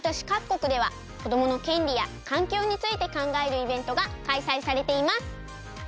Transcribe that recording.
こくではこどものけんりやかんきょうについてかんがえるイベントがかいさいされています。